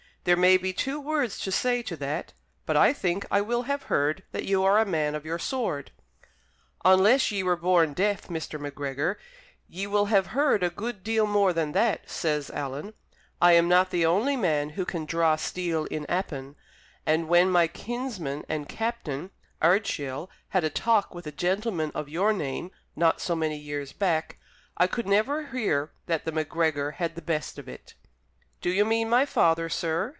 "There may be two words to say to that. But I think I will have heard that you are a man of your sword?" "Unless ye were born deaf, Mr. Macgregor, ye will have heard a good deal more than that," says Alan. "I am not the only man who can draw steel in Appin; and when my kinsman and captain, Ardshiel, had a talk with a gentleman of your name, not so many years back, I could never hear that the Macgregor had the best of it." "Do you mean my father, sir?"